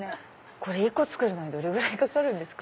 これ１個作るのにどれぐらいかかるんですか？